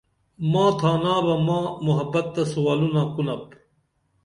ماں تھانا بہ ماں محبت تہ سُوالونہ کنُپ